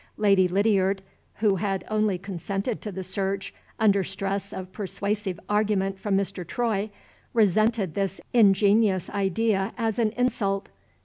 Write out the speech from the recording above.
Lady Lydiard (who had only consented to the search under stress of persuasive argument from Mr. Troy) resented this ingenious idea as an insult.